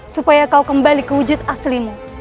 supaya kau kembali ke wujud aslimu